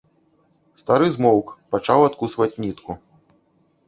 Стары змоўк, пачаў адкусваць нітку.